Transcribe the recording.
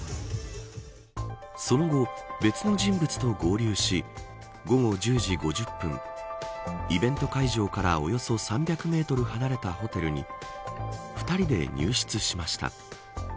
その後、別の人物と合流し午後１０時５０分イベント会場からおよそ３００メートル離れたホテルに２人で入室しました。